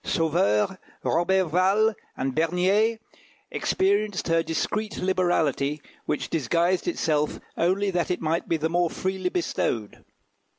Sauveur, Roberval, and Bernier experienced her discreet liberality, which disguised itself only that it might be the more freely bestowed.